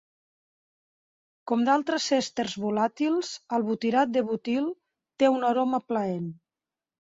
Com d'altres èsters volàtils, el butirat de butil té una aroma plaent.